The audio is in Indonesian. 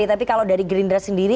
tapi kalau dari gerindra sendiri